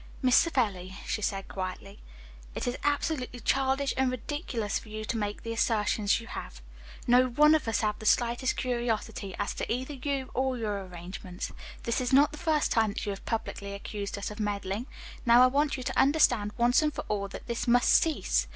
"Miss Savelli," she said quietly, "it is absolutely childish and ridiculous for you to make the assertions you have. No one of us has the slightest curiosity as to either you or your arrangements. This is not the first time that you have publicly accused us of meddling. Now I want you to understand once and for all that this must cease.